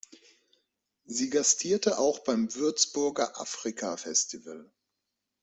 Sie gastierte auch beim Würzburger Africa Festival.